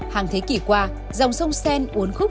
hàng thế kỷ qua dòng sông sen uốn khúc